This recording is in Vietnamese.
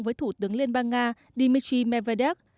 với thủ tướng liên bang nga dmitry medvedev